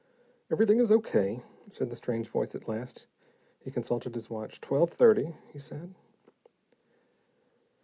"Everything is O. K.," said the strange voice at last. He consulted his watch. "Twelve thirty," he said.